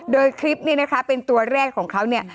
โดยคลิปนี้นะคะเป็นตัวแรกของเขาเนี่ย